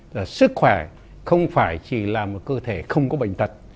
là sức khỏe không phải chỉ là một cơ thể không có bệnh tật